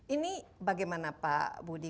ini bagaimana pak budi